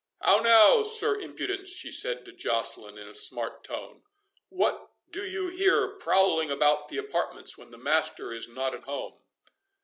"How now, Sir Impudence?" she said to Joceline in a smart tone; "what do you here prowling about the apartments when the master is not at home?"